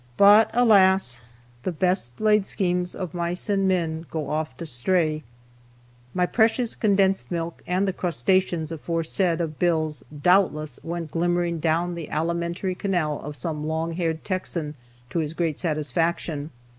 But, alas! "The best laid schemes o' mice and men Gang aft a gley." My precious condensed milk, and the crustaceans aforesaid of Bill's, doubtless went glimmering down the alimentary canal of some long haired Texan, to his great satisfaction.